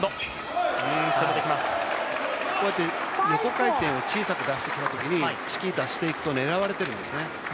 こうやって横回転を小さく出してきたときに、チキータしていくと狙われてるんですね。